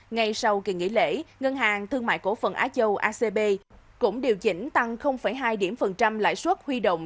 ngay sau kỳ nghỉ lễ ngân hàng thương mại cổ phần á châu acb cũng điều chỉnh tăng hai lãi suất huy động